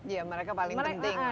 ya mereka paling penting